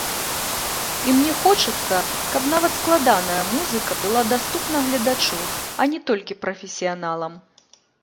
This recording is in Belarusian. І мне хочацца, каб нават складаная музыка была даступная гледачу, а не толькі прафесіяналам.